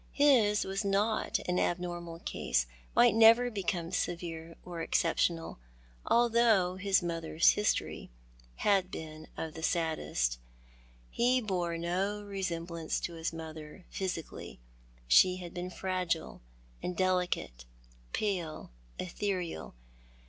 His was not an abnormal case — might never become severe or exceptional, although his mother's history had been of the saddest. He bore no resem blance to his mother, physically. She had been fragile and delicate, pale, ethereal.